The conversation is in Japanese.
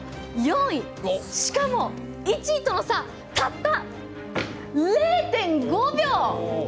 しかも１位との差たった０．５秒！